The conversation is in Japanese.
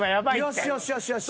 よしよしよしよし。